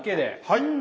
はい。